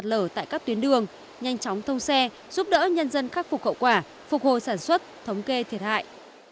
tỉnh lộ xảy ra sạt lở tại các tuyến đường nhanh chóng thông xe giúp đỡ nhân dân khắc phục khẩu quả phục hồi sản xuất thống kê thiệt hại